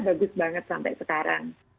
bagus banget sampai sekarang